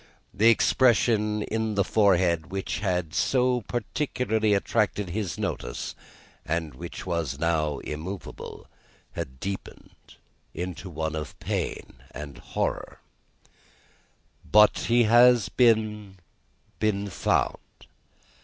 The expression in the forehead, which had so particularly attracted his notice, and which was now immovable, had deepened into one of pain and horror. "But he has been been found.